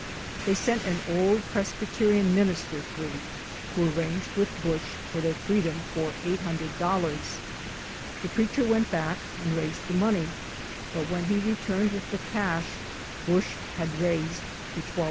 They sent an old Presbyterian minister through, who arranged with Busch for their freedom for $800. The preacher went back and raised the money but when he re turned with the cash Busch had raised to $1200.